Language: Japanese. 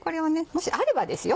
もしあればですよ。